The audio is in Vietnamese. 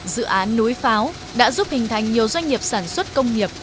dự án núi pháo đã giúp hình thành nhiều doanh nghiệp sản xuất công nghiệp